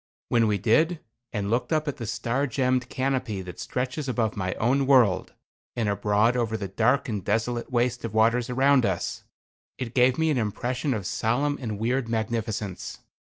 When we did, and looked up at the star gemmed canopy that stretches above my own world, and abroad over the dark and desolate waste of waters around us, it gave me an impression of solemn and weird magnificence.